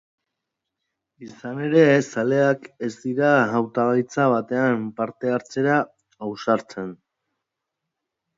Izan ere, zaleak ez dira hautagaitza batean parte hartzera ausartzen.